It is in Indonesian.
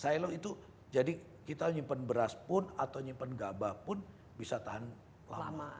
silo itu jadi kita menyimpan beras pun atau menyimpan gaba pun bisa tahan lama